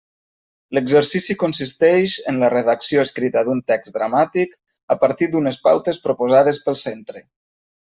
L'exercici consisteix en la redacció escrita d'un text dramàtic, a partir d'unes pautes proposades pel centre.